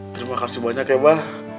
terima kasih banyak ya mbak